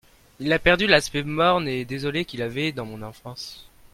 Il a perdu l'aspect morne et désolé qu'il avait dans mon enfance.